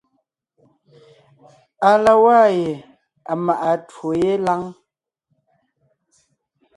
À la waa ye à maʼa twó yé lâŋ.